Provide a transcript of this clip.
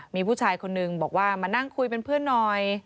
มีผู้ชายคนนึงบอกว่ามานั่งคุยเป็นเพื่อนหน่อย